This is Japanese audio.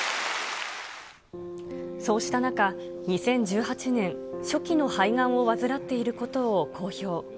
そうした中、２０１８年、初期の肺がんを患っていることを公表。